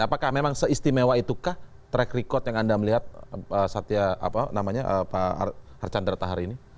apakah memang seistimewa itukah track record yang anda melihat pak satya pak archan dertahar ini